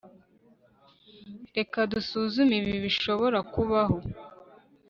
reka dusuzume ibibi bishobora kubaho